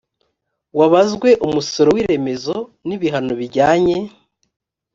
wabazwe umusoro w’iremezo n’ibihano bijyanye